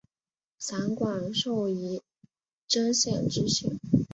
散馆授仪征县知县。